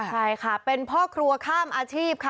ใช่ค่ะเป็นพ่อครัวข้ามอาชีพค่ะ